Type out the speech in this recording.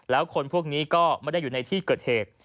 แล้วคนพวกนี้ก็ไม่ได้อยู่ในที่เกิดเหตุ